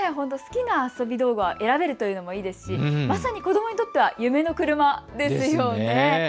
好きな遊び道具を選べるというのはいいですし、まさに子どもにとって夢の車ですよね。